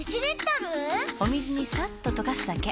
お水にさっと溶かすだけ。